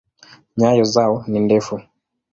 Nyayo zao ni ndefu.